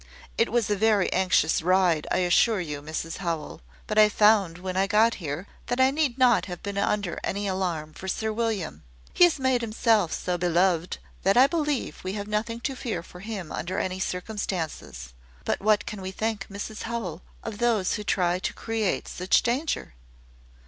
It was a very anxious ride, I assure you, Mrs Howell. But I found, when I got here, that I need not have been under any alarm for Sir William. He has made himself so beloved, that I believe we have nothing to fear for him under any circumstances. But what can we think, Mrs Howell, of those who try to create such danger?"